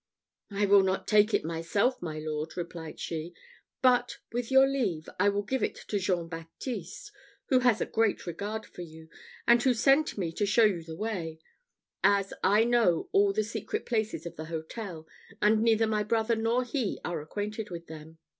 "I will not take it myself, my lord," replied she; "but, with your leave, I will give it to Jean Baptiste, who has a great regard for you, and who sent me to show you the way, as I know all the secret places of the hotel, and neither my brother nor he are acquainted with them."